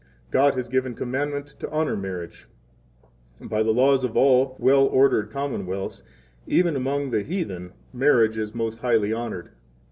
God has given commandment to honor marriage. By the laws of all 20 well ordered commonwealths, even among the heathen, marriage is most highly honored.